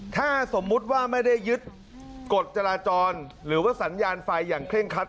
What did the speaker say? ถ้าสมมุติว่าไม่ได้ยึดกฎจราจรหรือว่าสัญญาณไฟอย่างเคร่งคัด